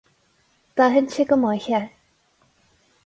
D'aithin sé go maith é.